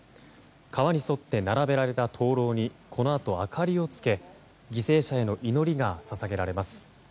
川に沿って並べられた灯籠にこのあと、明かりをつけ犠牲者への祈りがささげられます。